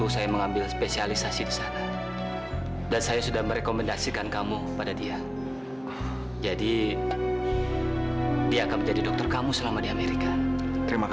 sampai jumpa di video selanjutnya